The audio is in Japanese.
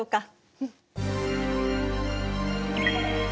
うん。